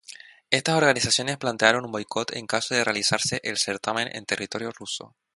Estas organizaciones plantearon un boicot en caso de realizarse el certamen en territorio ruso.